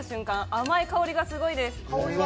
甘い香りがすごいです。